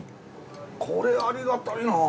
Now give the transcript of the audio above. これありがたいな。